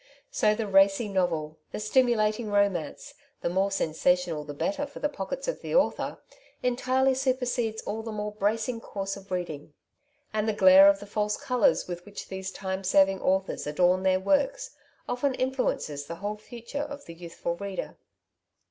So the racy novel, the stimulating romance — the more sen sational the better for the pockets of the author — entirely supersedes all the more bracing course of reading ; and the glare of the false colours with which these time serving authors adorn their works often influences the whole future of the youthful reader.